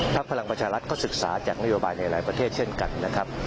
พลังประชารัฐก็ศึกษาจากนโยบายในหลายประเทศเช่นกันนะครับ